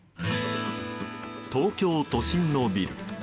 東京都心のビル。